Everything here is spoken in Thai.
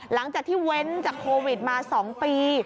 หลังจากที่เว้นจากโควิดมา๒ปี